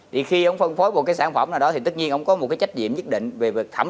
thì khi ông phân phối một cái sản phẩm nào đó thì tất nhiên ông có một cái trách nhiệm nhất định về việc thẩm